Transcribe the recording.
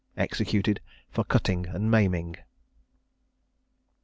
EXECUTED FOR CUTTING AND MAIMING.